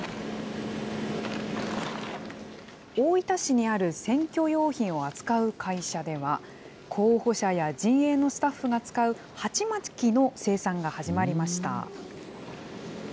大分市にある選挙用品を扱う会社では、候補者や陣営のスタッフが使うはちまきの生産が始まりました。